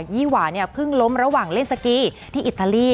ี่หวาเนี่ยเพิ่งล้มระหว่างเล่นสกีที่อิตาลี